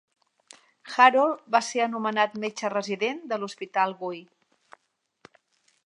Harold va ser anomenat metge resident de l"Hospital Guy.